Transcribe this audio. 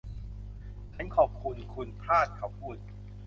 ฉันขอบคุณคุณพลาด เขาพูด